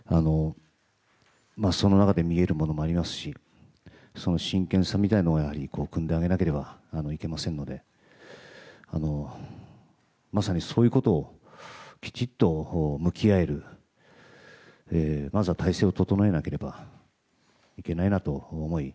その中で見えるものもありますしその真剣さみたいなものはくんであげなければいけませんのでまさにそういうことをきちっと向き合えるまずは体制を整えなければいけないなと思い